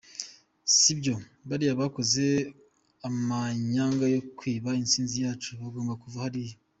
Sibyo? Bariya bakoze amanyanga yo kwiba intsinzi yacu, bagomba kuva hariya.